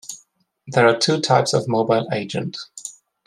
There are two types of mobile agent.